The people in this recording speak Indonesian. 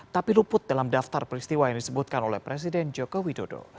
tapi luput dalam daftar peristiwa yang disebutkan oleh presiden joko widodo